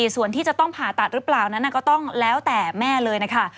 ส่วนที่จะต้องผ่าตัดหรือเปล่านั้นก็ต้องแล้วแต่แม่เลยนะคะ